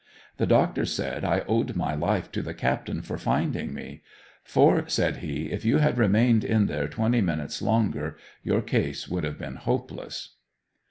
The doctor said I owed my life to the captain for finding me, "for," said he, "if you had remained in there twenty minutes longer your case would have been hopeless."